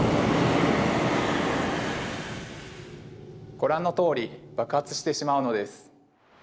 ご覧のとおり爆発してしまうのです。